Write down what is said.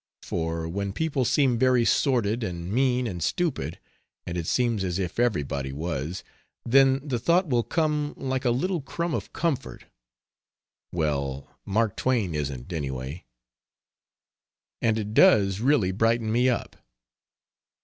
For when people seem very sordid and mean and stupid (and it seems as if everybody was) then the thought will come like a little crumb of comfort "well, Mark Twain isn't anyway." And it does really brighten me up.